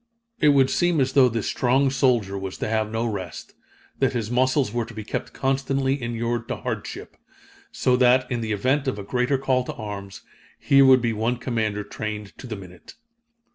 It would seem as though this strong soldier was to have no rest that his muscles were to be kept constantly inured to hardship so that, in the event of a greater call to arms, here would be one commander trained to the minute.